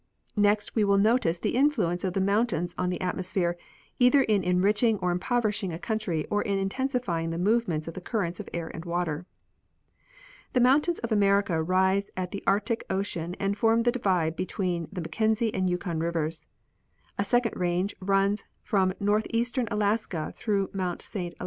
Next we will notice the influence of the mountains on the atmosphere, either in enriching or impoverishing a country, or in intensifying the movements of the currents of air and water. The mountains of America rise at the Arctic ocean and form the divide between the Mackenzie and Yukon rivers. A second range runs from northeastern Alaska through Mount Saint Elias.